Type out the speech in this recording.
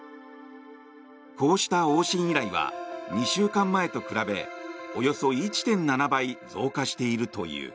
こうした往診依頼は２週間前と比べおよそ１．７倍増加しているという。